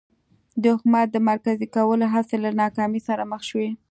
د حکومت د مرکزي کولو هڅې له ناکامۍ سره مخ شوې.